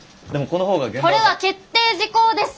これは決定事項です！